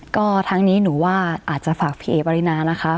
ก็ทั้งนี้หนูว่าอาจจะฝากพี่เอ๋ปรินานะคะ